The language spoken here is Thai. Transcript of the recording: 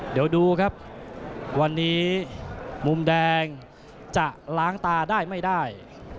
เดี๋ยวดูครับวันนี้มุมแดงจะล้างตาได้ไม่ได้